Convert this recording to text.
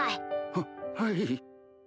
ははい。